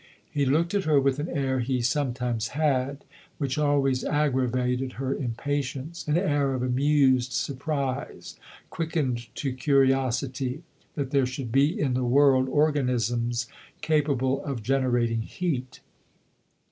" He looked at her with an air he some times had, which always aggravated her impatience, an air of amused surprise, quickened to curiosity, that there should be in the world organisms capable of generating heat.